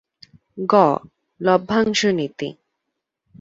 গ. লভ্যাংশ নীতি